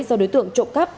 do đối tượng trộm cắp